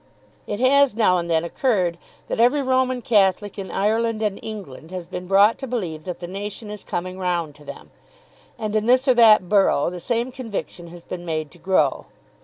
It has now and then occurred that every Roman Catholic in Ireland and England has been brought to believe that the nation is coming round to them; and in this or that borough the same conviction has been made to grow.